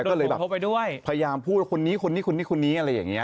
ก็เลยแบบพยายามพูดคนนี้คนนี้คนนี้อะไรอย่างนี้